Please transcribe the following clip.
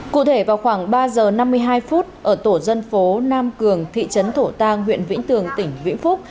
cụ thể vào khoảng ba giờ năm mươi hai phút ở tổ dân phố nam cường thị trấn thổ tàng huyện vĩnh tường tỉnh vĩnh phúc